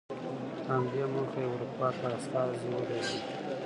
په همدې موخه یې اروپا ته استازي ولېږل.